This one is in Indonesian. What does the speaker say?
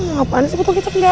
ngapain sih butuh kicap gak ada